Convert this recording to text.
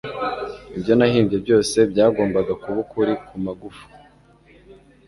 ibyo nahimbye byose byagombaga kuba ukuri kumagufwa